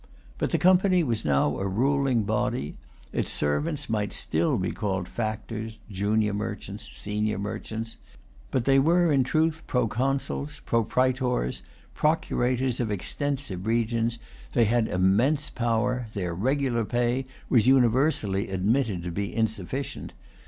But the Company was now a ruling body. Its servants might still be called factors, junior merchants, senior merchants. But they were in truth proconsuls, propraetors, procurators, of extensive regions. They had immense power. Their regular pay was universally admitted to be insufficient.